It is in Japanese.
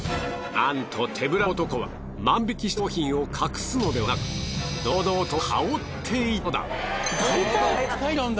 なんと手ぶら男は万引きした商品を隠すのではなく堂々と羽織っていたのだ。